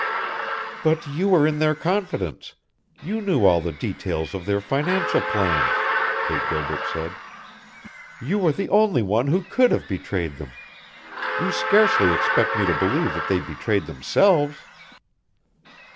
"But you were in their confidence you knew all the details of their financial plans," Kate Gilbert said. "You were the only one who could have betrayed them. You scarcely expect me to believe that they betrayed themselves."